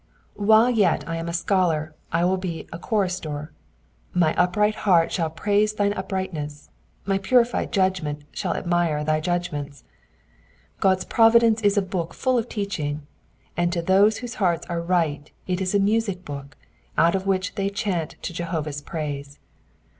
While yet I am a scholar I will be a chorister : my upright heart shall praise thine uprightness, my purified judgment shall aamire thy judgments. God^s providence is a book full of teaching, and to those whose hearts are light it 13 a music book, out of which they chant to Jehovah's praise.